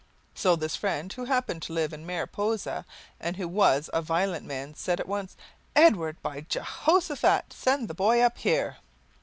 So this friend, who happened to live in Mariposa, and who was a violent man, said at once: "Edward, by Jehoshaphat! send the boy up here."